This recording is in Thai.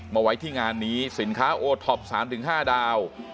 มาไว้ที่งานนี้สินค้าโอท็อป๓๕ดาว